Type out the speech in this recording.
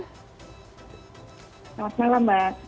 selamat malam mbak